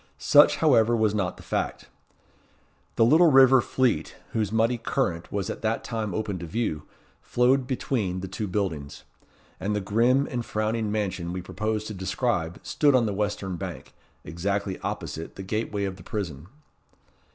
Such, however, was not the fact. The little river Fleet, whose muddy current was at that time open to view, flowed between the two buildings; and the grim and frowning mansion we propose to describe stood on the western bank, exactly opposite the gateway of the prison.